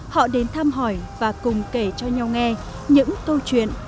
họ đến thăm hỏi và cùng kể cho nhau nghe những câu chuyện